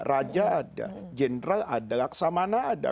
raja ada general ada laksamana ada